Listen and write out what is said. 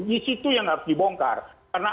di situ yang harus dibongkar karena